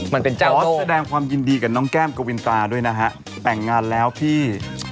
เป็นการขอแสดงความยินดีกับน้องแก้มกวินตราด้วยนะฮะแต่งงานแล้วพี่